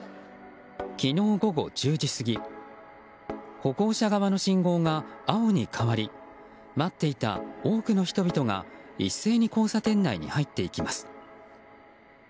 昨日午後１０時過ぎ歩行者側の信号が青に変わり待っていた多くの人々が一斉に交差点内に入っていきます。